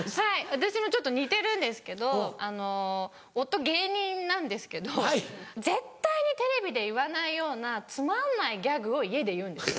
私もちょっと似てるんですけど夫芸人なんですけど絶対にテレビで言わないようなつまんないギャグを家で言うんですよ。